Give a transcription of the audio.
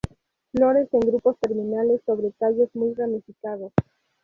Flores en grupos terminales sobre tallos muy ramificados.